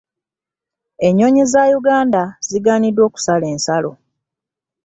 Ennyonyi za Uganda ziganiddwa okusala ensalo.